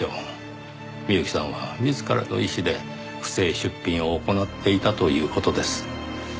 美由紀さんは自らの意思で不正出品を行っていたという事です。